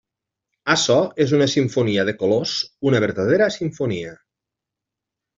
Açò és una simfonia de colors, una verdadera simfonia.